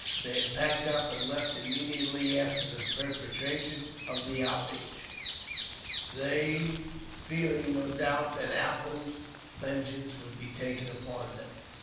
They had packed up and left immediately after the perpetration of the outrage, they fearing, no doubt, that ample vengeance would be taken upon them.